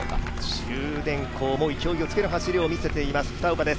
中電工も勢いをつける走りを見せています二岡です。